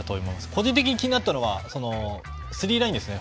個人的に気になったのはスリーラインですね。